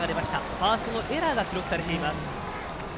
ファーストのエラーが記録されています。